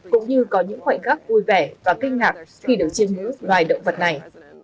cũng như có những khoảnh khắc vui vẻ và kinh ngạc khi được chiêm ngưỡng loài động vật này